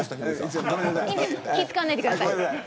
気を使わないでください。